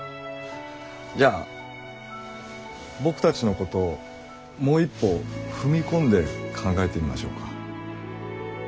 じゃあ僕たちのことをもう一歩踏み込んで考えてみましょうか。